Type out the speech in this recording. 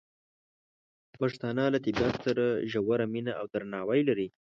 پښتانه له طبیعت سره ژوره مینه او درناوی لري.